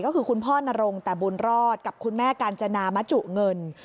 ก็คือคุณพ่อนรงแต่บุญรอดกับคุณแม่กาญจนามจุเงิน